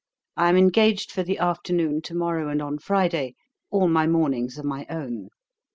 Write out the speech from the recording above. I am engaged for the afternoon, to morrow and on Friday: all my mornings are my own.